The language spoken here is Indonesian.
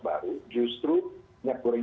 baru justru minyak goreng